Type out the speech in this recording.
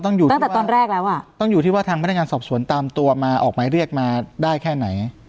ตั้งแต่ตอนแรกแล้วอ่ะต้องอยู่ที่ว่าทางพนักงานสอบสวนตามตัวมาออกหมายเรียกมาได้แค่ไหน